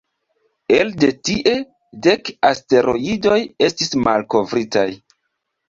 Elde tie, dek asteroidoj estis malkovritaj.